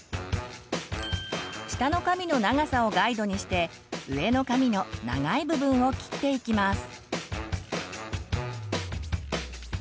下の髪の長さをガイドにして上の髪の長い部分を切っていきます。